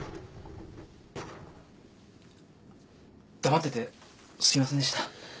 黙っててすいませんでした。